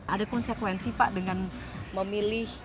ada konsekuensi dengan memilih